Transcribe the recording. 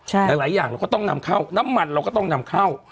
หลายอย่างเราก็ต้องนำเข้าน้ำมันเราก็ต้องนำเข้า